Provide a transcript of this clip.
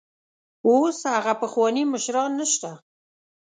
اوس هغه پخواني مشران نشته.